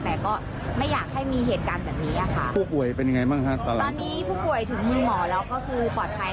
แต่ก็ไม่อยากให้มีเหตุการณ์แบบนี้อ่ะค่ะ